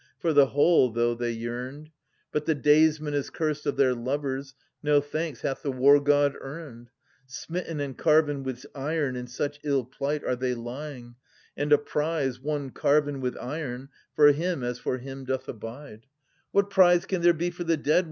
For the whole though they yearned. But the daysman is cursed of their lovers, no thanks hath the War god earned. 91a (Str. 3) Smitten and carven with iron in such ill plight are they lying ; And a prize, one carven with iron, for him as for him doth abide. THE SE V£N A GA INST THEBES. 41 I * What prize can there be for the dead